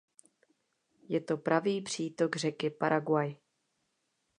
Je to pravý přítok řeky Paraguay.